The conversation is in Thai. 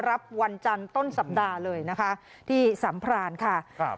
รับวันจันทร์ต้นสัปดาห์เลยนะคะที่สัมพลาณค่ะ